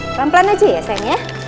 pelan pelan aja ya sayang ya